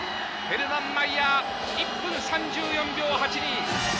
ヘルマン・マイヤー１分３４秒８２。